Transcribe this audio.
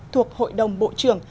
thuộc hội đồng bộ trưởng